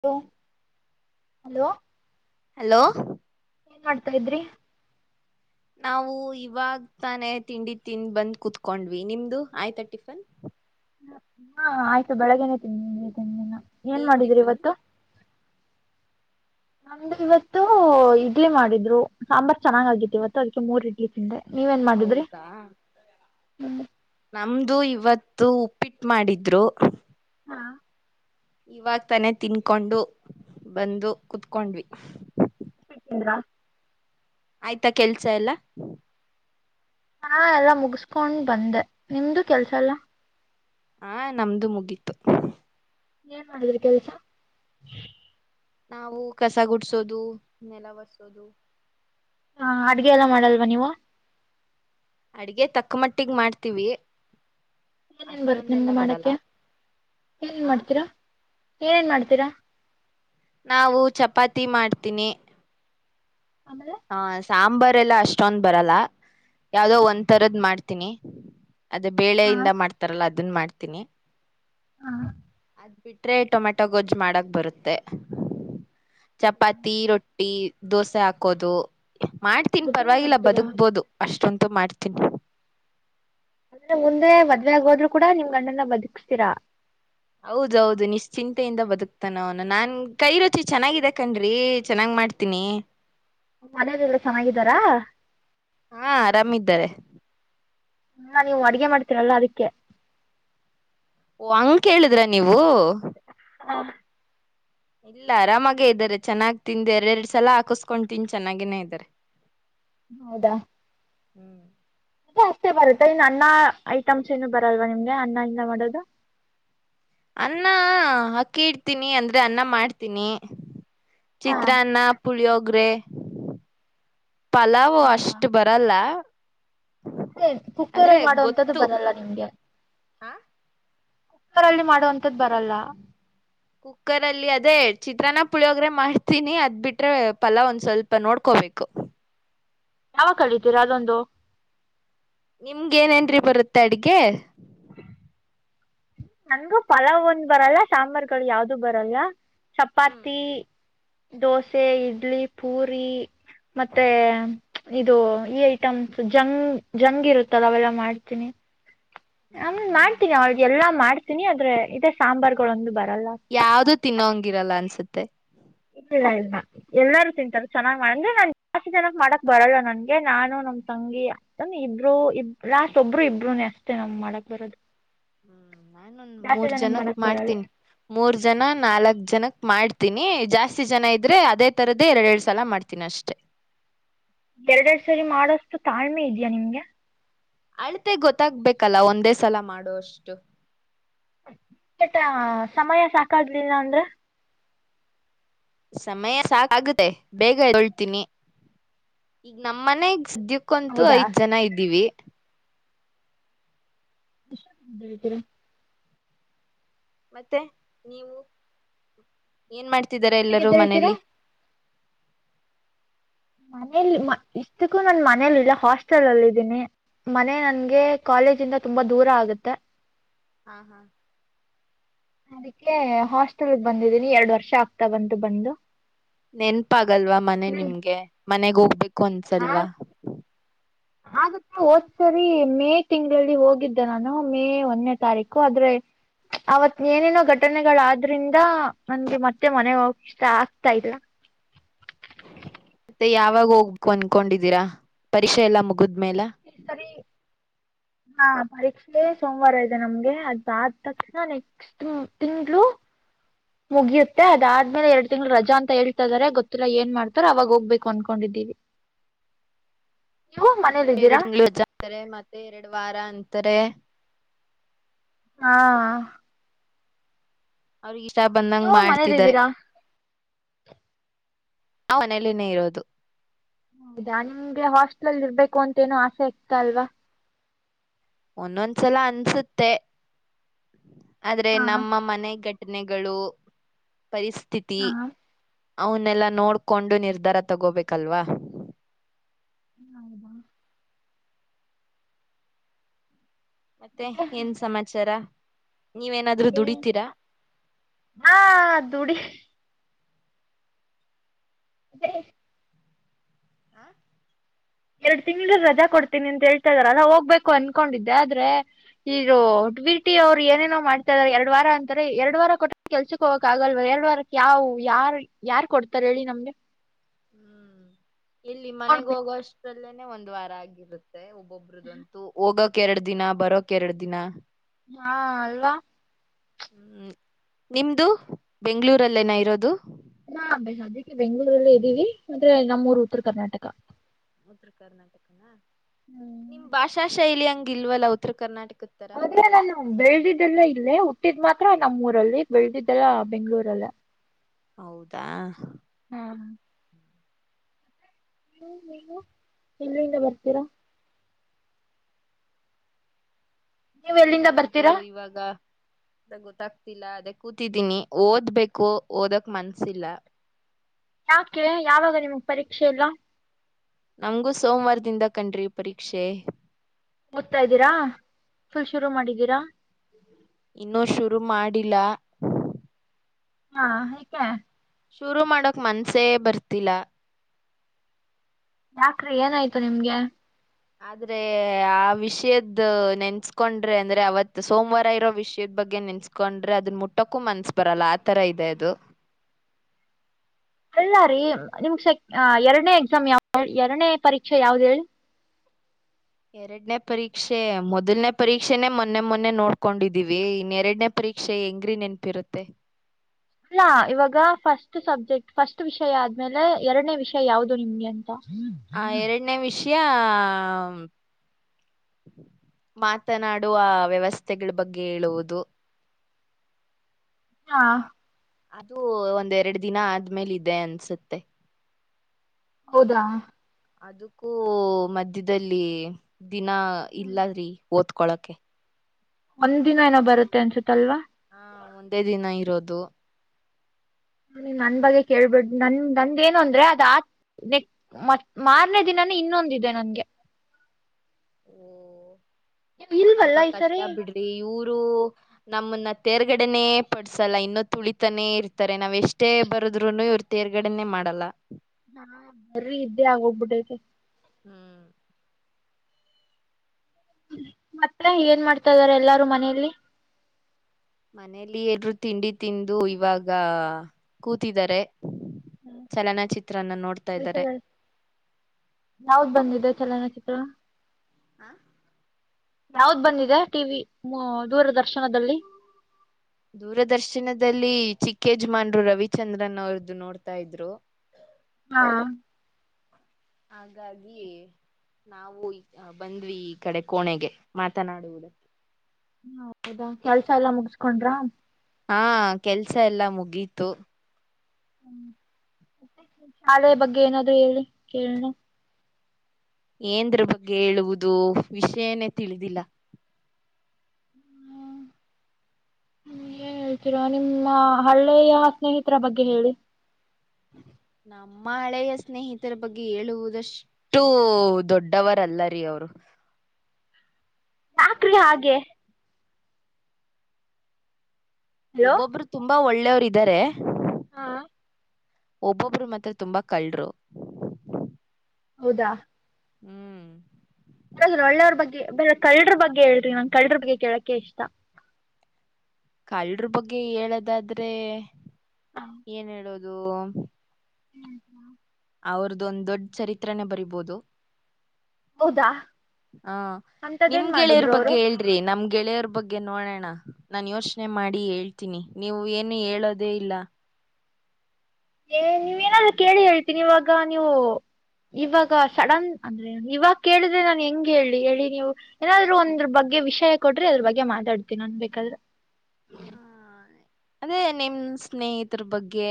Hello hello hello ಏನ್ಮಾಡ್ತಾ ಇದ್ರಿ ನಾವು ಇವಾಗ ತಾನೇ ತಿಂಡಿ ತಿಂದುಬಂದು ಕುೂತ್ಕೊಂಡ್ವಿ ನಿಮ್ದು ಆಯ್ತಾ ಟಿಫನ್ ಹಾ ಆಯ್ತು ಬೆಳಗನೆೇ ತಿಂದಿನಿ ಏನ್ ಮಾಡಿದ್ರಿ ಇವತ್ತು ನಮ್ದು ಇವತ್ತು ಇಡ್ಲಿ ಮಾಡಿದ್ರು ಸಾಂಬಾರ್ ಚೆನ್ನಾಗ್ ಆಗಿತ್ತು ಇವತ್ತು ಅದಕ್ಕೆ ಮೂರ್ ಇಡ್ಲಿ ತಿಂದೆ ನೀವೇನ್ ಮಾಡಿದ್ರಿ ಹೌದಾ ನಮ್ದು ಇವತ್ತು ಉಪ್ಪಿಟ್ಟು ಮಾಡಿದ್ರು ಹಾ ಇವಾಗ ತಾನೆ ತಿನ್ಕೊಂಡು ಬಂದು ಕುೂತ್ಕೊಂಡ್ವಿ [inaudible] ಆಯ್ತಾ ಕೆಲ್ಸ ಎಲ್ಲಾ ಹಾ ಎಲ್ಲಾ ಮುಗಿಸ್ಕೊಂಡ್ ಬಂದೆ ನಿಮ್ದು ಕೆಲ್ಸ ಎಲ್ಲಾ ಆ ನಮ್ದು ಮುಗೀತು ಏನ್ ಮಾಡಿದ್ರಿ ಕೆಲ್ಸ ನಾವು ಕಸ ಗುಡ್ಸೋದು ನೆಲ ಹೋರಿಸೋದು ಹಾ ಅಡ್ಗೆ ಎಲ್ಲ ಮಾಡಲ್ವ ನೀವು ಅಡಗೆ ತಕ್ಕ ಮಟ್ಟಿಗೆ ಮಾಡ್ತೀವಿ ಏನೇನು ಬರುತ್ತೆ ಅಷ್ಟೊಂದೆಲ್ಲ ನಿಮ್ಗೆ ಬರಲ್ಲ ಮಾಡೋಕ್ಕೆ ಏನೇನು ಆ ಮಾಡ್ತೀರಾ ಏನೇನು ಮಾಡ್ತೀರಾ ನಾವು ಚಪಾತಿ ಮಾಡ್ತೀನಿ ಆಮೇಲೆ ಹ ಸಾಂಬಾರ್ ಎಲ್ಲ ಅಷ್ಟೊಂದ ಬರಲ್ಲ ಯಾವ್ದೋ ಒಂದ್ ತರದು ಮಾಡ್ತೀನಿ ಅದೇ ಹಾ ಬೇಳೆಯಿಂದ ಮಾಡ್ತಾರಲ್ಲ ಅದನ್ ಮಾಡ್ತೀನಿ ಹಾ ಅದ್ ಬಿಟ್ರೆ ಟೊಮೆಟೊ ಗೊಜ್ಜ್ ಮಾಡಕ್ ಬರುತ್ತೆ ಚಪಾತಿ ರೊಟ್ಟಿ ದೋಸೆ ಹಾಕೋದು ಮಾಡ್ತೀನಿ ಮುದ್ದೆನು ಪರವಾಗಿಲ್ಲ ಮಾಡ್ತೀರಾ ಬದುಕ್ಬೋದು ಅಷ್ಟೊಂತು ಮಾಡ್ತೀನಿ ಅಂದ್ರೆ ಮುಂದೆ ಮದ್ವೆ ಆಗಿ ಹೋದ್ರು ಕೂಡ ನಿಮ್ ಗಂಡನ್ನ ಬದುಕ್ಸ್ತೀರಾ. ಹೌದೌದು ನಿಶ್ಚಿಂತೆಯಿಂದ ಬದುಕ್ತಾನೆ ಅವನು ನಾನ್ ಕೈ ರುಚಿ ಚೆನ್ನಾಗಿದ ಕಣ್ರಿ ಚೆನ್ನ್ಗಿ ಮಾಡ್ತ. ತಿನಿ ಮನೆಯಲೆಲ್ಲ ಚೆನ್ನಾಗಿದ್ದಾರಾ. ಹಾ ಆರಾಮಯಿದ್ದಾರೆ ನೀವು ಅಡುಗೆ ಮಾಡ್ತಿರಲ್ಲ ಅದಕ್ಕೆ ಓ ಹಂಗೇ ಕೇಳಿದ್ರ ನೀವು ಹ ಇಲ್ಲ ಆರಾಮಾಗೇ ಇದ್ದಾರೆ ಚೆನ್ನಾಗ್ ತಿಂದ್ ಎರಡ್ ಎರಡ್ ಸಲ ಹಾಕಿಸಸ್ಕೊಂಡ್ ತಿಂದು ಚೆನ್ನಾಗಿನೆ ಇದಾರೆ ಹೌದಾ ಹ್ಮ್ ಅ ಅಷ್ಟೇ ಬರುತ್ತೆ ಇನ್ ಅನ್ನ ಐಟಮ್ಸ್ ಏನು ಬರಲ್ವಾ ನಿಮ್ಗೆ ಅನ್ನ ಇಂದ ಮಾಡೋದು ಅನ್ನ ಅಕ್ಕಿ ಇಡ್ತೀನಿ ಅಂದ್ರೆ ಅನ್ನ ಮಾಡ್ತೀನಿ ಹಾಂ ಚಿತ್ರಾನ್ನ ಪುಳಿಯೋಗ್ರೆ ಪಲಾವ್ ಹೌದಾ ಅಷ್ಟು ಬರಲ್ಲ ಆದ್ರೆ ಕುಕ್ಕರ್ಲ್ಲಿ ಮಾಡುವಂತದ್ದು ಗೊತ್ತು ಬನ್ನಲ್ಲ ಹಗೆರಲ್ಲಿ ಮಾಡುವಂಂತದ್ದ್ ಬರಲ್ಲ ಕುಕ್ಕರ್ ಅಲ್ಲಿ ಅದೇ ಚಿತ್ರಾನ ಪುಳಿಯೋಗ್ರೆ ಮಾಡ್ತೀನಿ ಅದ್ ಬಿಟ್ರೆ ಪಫಲಾ ಒಂದ್ ಸ್ವಲ್ಪ ನೋಡ್ಕೋಬೇಕು ಯಾವಾಗ ಕಳಿತೀರಾ ಅದೊಂದು ನಿಮ್ಗ ಏನ ನ್್ರಿ ಬರುತ್ತೆ ಅಡ್ಗೆ ನನ್ಗು ಪಲಾವ್ ಒಂದ್ ಬರಲ್ಲ ಸಾಂಬಾರ್ುಗಳು ಯಾವ್ದು ಬರಲ್ಲ ಹ್ಮ್ ಚಪಾತಿ ದೋಸೆ ಇಡ್ಲಿ ಪೂರಿ ಮತ್ತೆ ಇದು ಈ ಐಟಮ್ಸ್ ಜಂಗ್ ಜಂಗ್ ಇರುತ್ತದ ಅವೆಲ್ಲ ಮಾಡ್ತೀನಿ. ಹ ಹ್ಮ್ ಹ್ಮ್ ಹ್ಮ್ ಮಾಡ್ತೀನಿ ಅವ್ರಿಗೆ ಎಲ್ಲಾ ಮಾಡ್ತೀನಿ ಆದ್ರೆ ಇದೇ ಸಾಂಬಾರ್ುಗಳ ಒಂದು ಬರಲ್ಲ. ಯಾವ್ದು ತಿನ್ನಂಗಿರಲ್ಲ ಅನ್ಸುತ್ತೆ. ಇಿಲ್ಲಾ ಇಲ್ಲ. ಎಲ್ಲಾರೂ ತಿಂತಾರ ಚೆನ್ನ್ ಮಾಡಂದ್ರೆ ನಾನ್ ಜಾಸ್ತಿ ಜನಕ್ ಮಾಡಕ್ ಬರಲ್ಲ ನನ್ಗೆ ನಾನು ನಮ್ ತಂಗಿ. ನ ಇಬ್ರು ಇಬ್ ಲಾಸ್ಟ್ ಒಬ್ಬರು ಇಬ್ಬ್ರೂ ಅಷ್ಟೇ ನಮ್ ಮಾಡಕ್ ಬರೋದು. ಹ್ಮ್ ನಾನು ಜಾಸ್ತಿ ಮೂರ್ ಜನಕ್ಕೆ ಜನಕ್ ಮಾಡಕ್ಕೆ ಬರೋಲ್ಲ ಮಾಡ್ತೀನಿ. ಮೂರ್ ಜನ ನಾಲ್ಕ್ ಜನಕ್ ಮಾಡ್ತೀನಿ ಜಾಸ್ತಿ ಜನ ಇದ್ರೆ ಅದೇ ತರದ್ದೇ ಎರಡ್ ಎರಡು ಸಲ ಮಾಡ್ತೀನಿ ಅಷ್ಟೆ. ಎರಡೆರಡ್ ಸರಿ ಮಾಡೋಷ್ಟು ತಾಳ್ಮೆ ಇದೆಯಾ ನಿಮ್ಗೆ. ಅಳತೆ ಗೊತ್ತಾಗ್ಬೇಕಲ್ಲ ಒಂದೇ ಸಲ ಮಾಡೋಷ್ಟು. ತ್ರ ಸಮಯ ಸಾಕಾಗ್ಲಿಲ್ಲ ಅಂದ್ರ. ಸಮಯ ಸಾ ಆಗುತ್ತೆ ಬೇಗೊಳ್ತೀನಿ [unintelligible] ಈಗ ನಮ್ಮ ಮನೆಗ್ ಕ್ಕಂತು ಹೌದಾ ಐದ್ ಜನ ಇದೀವಿ. [unintelligible] ಎಷ್ಟ ಹೇಳ್ತೀರಾ ಮತ್ತೆ ನೀವು [unintelligible] ಏನ್ ಮಾಡ್ತಿದರ ಎಷ್ಟೊತ್ತಿಗೆ ಎಲ್ಲರೂ ಎದ್ದೇಳ್ತೀರಾ ಮನೇಲಿ. ಮನೇಲಿ ಇಷ್ಟಕ್ಕೂ ನಾನ ಮನೇೆಯಲ್ಲಿ ಇಲ್ಲ ಹಾಸ್ಟೆಲ್ ಅಲ್ಲಿ ಇದ್ದೀನಿ. ಮನೆ ನನ್ಗೆ ಕಾಲೇಜಂದ ತುಂಬಾ ದೂರ ಆಗುತ್ತೆ. ಹಾ ಹಾ ಅದಕ್ಕೆ ಹಾಸ್ಟೆಲ್ ಬಂದಿದ್ದೀನಿ ಎರಡು ವರ್ಷ ಆಗ್ತಾ ಬಂತು ಬಂದು ನೆನ್ಪಾಗಲ್ವಾ ಮನೆ ಇಲ್ಲಿ ನಿಮ್ಗೆ ಮನೆಗ್ ಹೋಗ್ಬೇಕು ಅನ್ಸಲ್ವಾ ಹಾಗ ಹೋದ್ ಸರಿ ಮೇ ತಿಂಗಳಲ್ಲಿ ಹೋಗಿದ್ದೆ ನಾನು ಮೇ ಒಂದನೇ ತಾರೀಕು ಆದ್ರೆ ಅವತ್ ಏನೇನೋ ಘಟನೆಗಳಾದ್ರಿಂದ ನನ್ಗೆ ಮತ್ತೆ ಮನೆ ಹೋಗ ಇಷ್ಟ ಆಗ್ತಾ ಇಲ್ಲ ಮತ್ತೆ ಯಾವಾಗ ಹೋಗ್ಬೇಕು ಅಂದಕೊಂಡಿದೀರಾ ಪರೀಕ್ಷೆ ಎಲ್ಲಾ ಮುಗಿದ್ಮೇಲ ಸರಿ ಹಾ ಪರೀಕ್ಷೆ ಸೋಮವಾರ ಇದೆ ನಮ್ಗೆ ಅದ್ ಆದ ತಕ್ಷಣ ನೆಕ್ಸ್ಟ್ ತಿಂಳ ಮುಗಿಯುತ್ತೆ ಅದಾದ್ಮೇಲೆ ಎರಡು ತಿಂಗ್ಗಳು ರಜ ಅಂತೇಳ್ ಾರೆ ಗೊತ್ತಿಲ್ಲ ಏನ್ ಮಾಡ್ತಾರ ಅವಾಗ ಹೋಗ್ಬೇಕು ಅನ್ಕೊಂಡಿದ್ದೀವಿ ನೀವು ಇವು ಮನೇಲಿದ್ದೀರಾ ಎರಡು ತಿಂಗಳು ಹೆಜ್ಜ ಅಂತಾರೆ ಮತ್ತೆ ಎರಡು ವಾರ ಅಂತಾರೆ ಹಾ ಅವ್ರಿಗೆ ಈಷ ಬಂದಂಗ ನೀವು ಮಾಡ್ತಿದ್ದಾರೆ ಮನೇಲಿದ್ದೀರಾ ಅವನೇಲನೇ ಇರೋದು ಹೌದಾ ನಿಮ್ಗೆ ಹಾಸ್ಟೆಲ್ ಅಲ್ ಇರ್ಬೇಕು ಅಂತ ಏನ ಆಸೆ ಆಗ್ತಾ ಅಲ್ವಾ ಒಂದೊಂದ್ಸಲ ಅನ್ಸುತ್ತೆ ಆದ್ರೆ ಹಾ ನಮ್ಮ ಮನೆ ಗಟ್ಟಿ ಘಟನೆಗಳು ಪರಿಸ್ಥಿತಿ ಹಾ ಅವನ್ನೆಲ್ಲಾ ನೋಡ್ಕೊಂಡು ನಿರ್ಧಾರ ತಗೋಬೇಕಲ್ವಾ ಹೌದಾ ಮತ್ತೆ ಏನ್ ಸಮಾಚಾರ ನೀವೇನಾದ್ರೂ ದುಡಿತೀರಾ ಹಾ ದುಡಿ ಅತ್ತ ಹಾ ಎರಡ್ ತಿಂಳ ರಜಾ ಕೊಡ್ತೀನಿ ಅಂತ ಹೇಳ್ತಾ ಇದಾರೆ ರಜಾ ಹೋಗ್ಬೇಕು ಅನ್ಕೊಂಡಿದ್ದೆ ಆದ್ರೆ ಹರೋ ಬಿ ಪ್ರಟ್ಟಿ ಅವ್ರು ಏನೇನೋ ಮಾಡ್ತಾ ಇದಾರೆ ಎರಡು ವಾರ ಅಂತಾರೆ ಎರಡ್ ವಾರ ಕೊಟ್ಟ ಕೆಲ್ಸಕ್ ಹೋಗ್ಕ್ ಆಗಲ್ವ ಎರಡ್ ವಾರಕ್ಕೆ ಯಾವವು ಯಾರ ಯಾರ್ ಕೊಡ್ತಾರ ಹೇಳಿ ನಮ್ಗೆ ಹ್ಮ್ ಇಲ್ಲಿ ಮನೆಗ ನೋಡ್ಬೇಕು ಹೋಗೋಷ್ಟಲ್ಲೇನೆ ಒಂದ್ ವಾರ ಆಗಿರುತ್ತೆ ಒಬ್ಬೊಬ್ರದಂತೂ ಹೋಗಕ್ ಎರಡು ದಿನ ಬರೋಕ್ ಎರಡ್ ದಿನ ಹಾ ಅಲ್ವಾ ಹ್ಮ್ ನಿಮ್ದು ಬೆಂಗಗಳೂರಲ್ಲೇನ ಇರೋದು ನಾ ಬ ಅದಕ್ಕೆ ಬೆಂಗಳೂರುರಲ್ಲೇ ಇದ್ದೀವಿ ಅಂದ್ರೆ ನಮ್ಮೂರು ಉತ್ತರ ಕರ್ನಾಟಕ ಉತ್ತರ ಕರ್ನಾಟಕನಾ ಹ್ಮ್ ನಿಮ್ ಭಾಷಾ ಶೈಲಿ ಹಂಗ ಇಲ್ವಲ್ಲ ಉತ್ತರ ಕರ್ನಾಟಕದತ್ತರ ಇ ನಾನು ಬೆಳೆದಿದ್ದೆಲ್ಲ ಇಲ್ಲೇ ಹುಟ್ಟಿದ್ ಮಾತ್ರ ನಮ್ಮ್ ಊರಲ್ಲಿ ಬೆಳದಿದ್ದೆಲ್ಲ ಬೆಂಗ್ಗಳೂರಲ್ಲ ಹೌದಾ ಹ್ಮ ಹ್ಮ ನೀವು ಎಲ್ಲಿರಿಂದ ಬರ್ತೀರಾ ನೀವ್ ಏನ್ ಎಲ್ಲಿಂದ ಮಾಡೋದು ಬರ್ತೀರಾ ಇವಾಗ ಅ ಗೊತ್ತಾಗ್ತಿಲ್ಲ ಅದ ಕೂತಿದ್ದೀನಿ ಓದ್ಬೇಕು ಓದಕ್ ಮನ್ಸಿಲ್ಲ ಯಾಕೆ ಯಾವಾಗ ನಿಮಗ್ ಪರೀಕ್ಷೆ ಇಲ್ಲ ನಮ್ಗೂ ಸೋಮವಾರದಿಂದ ಕಣ್ರಿ ಪರೀಕ್ಷೆ ಓದ್ತಾ ಇದ್ದೀರಾ ಫುಲ್ ಶುರು ಮಾಡಿದ್ದೀರಾ ಇನ್ನುೂ ಶುರು ಮಾಡಿಲ್ಲ ಹಾ [unintelligible] ಶುರು ಮಾಡೋಕ್ ಮನ್ಸೇ ಬರ್ತಿಲ್ಲ ಯಾಕ್ ರಿ ಏನಾಯ್ತು ನಿಮ್ಗೆ ಆದ್ರೆ ಆ ವಿಷಯದ ನೆನ್ಸ್ಕೊಂಡ್ರೆ ಅಂದ್ರೆ ಅವತ್ ಸೋಮವಾರ ಇರೋ ವಿಷಯದ ಬಗ್ಗೆ ನೆನ್ಸ್ಕ ಕೊಂಡ್ರೆ ಅದನ್ನ ಮುಟ್ಟಕ್ಕೂ ಮನ್ಸ್ ಬರಲ್ಲ ಆ ತರ ಇದೆ ಅದು ಅಲ್ಲಾರಿ ನಿಮ ಸೆಕ್ ಎರಡನೇ ಎಕ್ಸಾಮ್ ಯಾವ ಎರಡನೇ ಪರೀಕ್ಷೆ ಯಾವ್ದ ಹೇಳಿ ಎರಡನೇ ಪರೀಕ್ಷೆ ಮೊದಲ್ನೇ ಪರೀಕ್ಷೆನನೆ ಮೊನ್ನೆ ಮೊನ್ನೆ ನೋಡ್ಕೊಂಡಿದ್ದೀವಿ ಇನ್ನೆರಡನೇ ಪರೀಕ್ಷೆ ಹೆಂಗ್ರೀ ನೆನಪಿರುತ್ತೆ ಇಲ್ಲಾ ಇವಾಗ ಫಸ್ಟ್ ಸಬ್ಜೆಕ್ಟ್ ಫಸ್ಟ್ ವಿಷಯ ಆದ್ಮೇಲೆ ಎರಡನೇ ವಿಷಯ ಯಾವುದು ನಿಮ್ಗೆ ಅಂತ ಆ ಎರಡನೇ ವಿಷಯ ಮಾತನಾಡುವ ವ್ಯವಸ್ಥೆಗಳ ಬಗ್ಗೆ ಹೇಳುವುದು ಹಾ ಅದು ಒಂದರಡು ದಿನ ಆದ್ಮೇಲೆ ಇದೆ ಅನ್ಸುತ್ತೆ ಹೌದಾ ಅದಕ್ಕೂ ಮಧ್ಯದಲ್ಲಿ ದಿನ ಇಲ್ಲ್ರೀ ಓದ್ಕೊಳಕೆ ಒಂದ್ ದಿನ ಏನೋ ಬರುತ್ತೆ ಅನ್ಸುತ್ತ ಅಲ್ವಾ ಹಾ ಒಂದೇ ದಿನ ಇರೋದು ನನ್ ಬಗ್ಗೆ ಕೇಳ್ಬಿಡ್ ನನ್ ನಂದೇನು ಅಂದ್ರೆ ಅದ ಆ ನೆಕ್ ಮ ಮಾರ್ನೇ ದಿನಾನೇ ಇನ್ನೊಂದಿದೆ ನನ್ಗೆ ಓ ನೀವ್ ಇಲ್ವಲ್ಲ ತುಂಬಾ ಈ ಕಷ್ಟ ಸರಿ ಬಿಡ್ರಿ ಇವರು ನಮ್ಮನ್ನ ತೇರ್ಗಡೆನೆೇ ಪಡ್ಸಲ್ಲ ಇನ್ನುೂ ತುಳಿತಾನೇ ಇರ್ತಾರೆ ನಾವ್ ಎಷ್ಟೇ ಬರದ್ರುನು ಇರ್ತ ತೇರ್ಗಡನೆೇ ಮಾಡಲ್ಲ ಹಾ ಬರ್ರಿ ಇದ್ದೆ ಆಗೋಗ್ಬಿಟ್ಟಕ್ಕೆ ಹ್ಮ್ ್ಮ ಮತ್ತ ಏನ್ ಮಾಡ್ತಾ ಇದಾರೆ ಎಲ್ಲಾರೂ ಮನೇೆಯಲ್ಲಿ ಮನೇಲಿ ಎಲ್ರು ತಿಂಡಿ ತಿಂದು ಇವಾಗ ಕೂತಿದ್ದಾರೆ ಚಲನಚಿತ್ರನ್ನ ನೋಡ್ತಾ ಇದ್ದಾರೆ ಕೆಲ್ಸಗಳು ಯಾವ್ದ್ ಬಂದಿದೆ ಚಲನಚಿತ್ರ ಹಾ ಯಾವ್ದ್ ಬಂದಿದೆ ಟಿವ ವಿ ದೂರದರ್ಶನದಲ್ಲಿ ದೂರದರ್ಶನದಲ್ಲಿ ಚಿಕ್ಕೇಜಮಾನ್ರು ರವಿಚಂದ್ರನ್ ಅವ್ರ್ದ ನೋಡ್ತಾ ಇದ್ರು ಹಾ ಹಾಗಾಗಿ ನಾವು ಬಂದ್ವಿ ಈ ಕಡೆ ಕೋಣೆಗೆ ಮಾತನಾಡುವುದ ಹ ಹೌದಾ ಕೆಲ್ಸ ಎಲ್ಲಾ ಮುಗಸ್ಕೊಂಡ್ರ ಹಾ ಕೆಲ್ಸ ಎಲ್ಲಾ ಮುಗೀತು ಹ್ಮ್ ಮತ್ತ ಶಾಲೆಯ ಬಗ್ಗೆ ಏನಾದ್ರು ಹೇಳಿ ಕೇಳನು ಏಂದ್ರ ಬಗ್ಗೆ ಹೇಳುವುದು ವಿಷಯನೇ ತಿಳಿದಿಲ್ಲ ಹ್ಮ ಏನ್ ಹೇಳ್ತೀರಾ ನಿಮ್ಮ ಹಳ್ಳೆಯ ಸ್ನೇಹಿತರ ಬಗ್ಗೆ ಹೇಳಿ ನಮ್ಮ ಹಳೆಯ ಸ್ನೇಹಿತರ ಬಗ್ಗೆ ಹೇಳುವುದಷ್ಟ ಅಷ್ಟು ದೊಡ್ಡವರಲ್ಲ ರೀ ಅವರು ಎಲ್ಲಾ ಯಾಕ್ರಿ ಹಾಗೆ ಕಲ್ರು ಹಲೋ ಒಬ್ಬೊಬ್ರು ತುಂಬಾ ಒಳ್ಳೆವರು ಇದಾರೆ ಹಾ ಒಬ್ಬೊಬ್ರು ಮತ್ರ ತುಂಬಾ ಕಳ್ಳರು ಹೌದಾ ಹ್ಮ್ ್ರ ಒಳ್ಳೆಯವ್ರ ಬಗ್ಗೆ ಬೇ ಕಳ್ಳ್ರ ಬಗ್ಗೆ ಹೇಳ್ರಿ ನನ್ ಕಳ್ಳ್ರ ಬಗ್ಗೆ ಕೇಳೋಕೆ ಇಷ್ಟ ಕಲ್ರ್ ಬಗ್ಗೆ ಹೇಳೋದಾದ್ರೆ ಏನ್ ಹೇಳೋದು ಹ್ಮಾ ಅವ್ರದ್ದ ಒಂದ್ ದೊಡ್ಡ ಚರಿತ್ರನೆೇ ಬರಿಬೋುದು ಹೌದಾ ಹಾ ನಿಮ್ ಅಂತದೇನ್ ಗೆಳೆಯರ ಮಾಡಿದ್ರು ಬಗ್ಗೆ ಅವ್ರು ಹೇಳ್ತಿ ೀ ನಮ್ ಗೆಳೆಯರ ಬಗ್ಗೆ ನೋಡೋಣ ನಾನ್ ಯೋಚನೆ ಮಾಡಿ ಹೇಳ್ತೀನಿ ನೀವು ಏನು ಹೇಳೋದೇ ಇಲ್ಲ ಏ ನೀವೇಏನಾದ್ ಕೇಳಿ ಹೇಳ್ತೀನಿ ಇವಾಗ ನೀವು ಇವಾಗ ಸಡನ್ ಅಂದ್ರೆ ಇವಾಗ ಕೇಳಿದ್ರೆ ನಾನ್ ಹೆಂಗ ಹೇಳಿ ಹೇಳಿ ನೀವು ಏನಾದ್ರು ಒಂದ್ರ ಬಗ್ಗೆ ವಿಷಯ ಕೊಟ್ರಿ ಅದ್ರ ಬಗ್ಗೆ ಮಾತಾಡ್ತಿೀ ನನ್ ಬೇಕಾದ್ರೆ ಅದೇ ನಿಮ್ ಸ್ನೇಹಿತರ ಬಗ್ಗೆ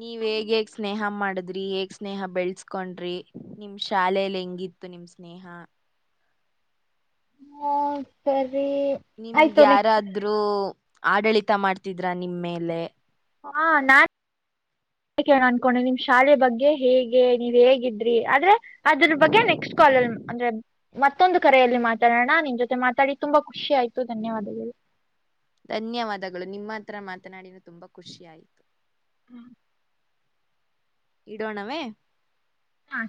ನೀವ ಹೇಗ್ ಹೇಗ್ ಸ್ನೇಹ ಮಾಡದ್ರಿ ಹೇಗ್ ಸ್ನೇಹ ಬೆಳ್ಸ್ಕೊಂಡ್ರಿ ನಿಮ ಶಾಲೇೆಯಲ್ಲಿ ಹೆಂಗಿತ್ತು ನಿಮ್ದ ಸ್ನೇಹ [unintelligible] ಹ ಸರೀ ನಿಮ್ಗೆ ಯಾರಾದ್ರೂ ಆಡಳಿತ ಮಾಡ್ತಿದ್ರ ನಿಮ ಮೇಲೆ ಹಾ ನಾನ್ ಅಕ್ಕೆೇ ಅನ್ಕೊಂಡ ನಿಮ್ ಶಾಲೆ ಬಗ್ಗೆ ಹೇಗೆ ನೀವ್ ಹೇಗಿದ್ರಿ ಆದ್ರೆ ಅದ್ರ ಬಗ್ಗೆ ನೆಕ್ಸ್ಟ್ ಕಲ್ ಅಲ್ ಅಂದ್ರೆ ಮತ್ತೊಂದು ಕರೆಯಲ್ಲಿ ಮಾತಾಡೋಣ ನಿನ್ ಜೊತೆ ಮಾತಾಡಿ ತುಂಬಾ ಖುಷಿ ಆಯ್ತು ಧನ್ಯವಾದಗಳು ಧನ್ಯವಾದಗಳು ನಿಮ್ಮ ಹತ್ರ ಮಾತನಾಡಿದ ತುಂಬಾ ಖುಷಿಯ ಆಯಿತು. ಹ್ಮ್ ಇಡೋಣವೇ ಹಾ